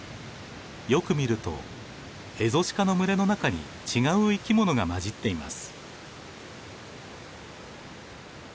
よく見るとエゾシカの群れの中に違う生き物が交じっています。